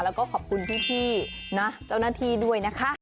แล้วก็ขอบคุณพี่นะเจ้าหน้าที่ด้วยนะคะ